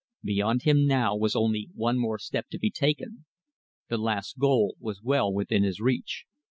Beyond him now was only one more step to be taken. The last goal was well within his reach.